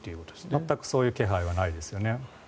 全くそういう気配はないですよね。